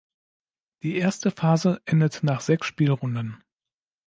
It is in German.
Die erste Phase endet nach sechs Spielrunden.